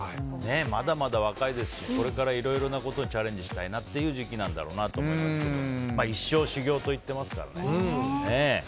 まだまだ若いですしこれから、いろいろなことにチャレンジしたいなという時期なんだと思いますが一生修行と言ってますからね。